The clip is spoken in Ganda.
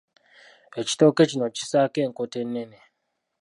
Ekitooke kino kissaako enkota ennene.